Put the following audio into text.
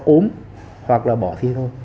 ốm hoặc là bỏ thi thôi